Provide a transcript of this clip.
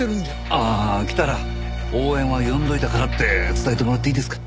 ああ来たら応援は呼んでおいたからって伝えてもらっていいですか？